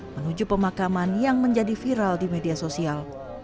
menuju pemakaman yang menjadi viral di media sosial